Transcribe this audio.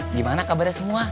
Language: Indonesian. gimana kabarnya semua